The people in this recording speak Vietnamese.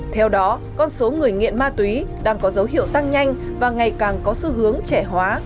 theo đó con số người nghiện ma túy đang có dấu hiệu tăng nhanh và ngày càng có xu hướng trẻ hóa